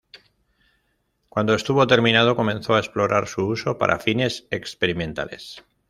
Cuando estuvo terminado, comenzó a explorar su uso para fines experimentales.